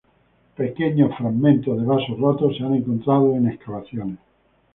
Pequeños fragmentos de vasos rotos se han encontrado en excavaciones.